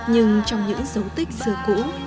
nhưng trong những dấu tích xưa cũ